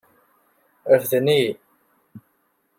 Refden-iyi.